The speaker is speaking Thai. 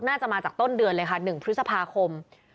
น่าจะมาจากต้นเดือนเลยค่ะ๑พฤษภาคม